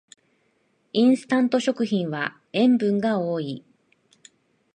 インスタント食品は塩分が多い